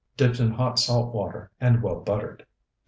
Dipped in hot salt water, and well buttered.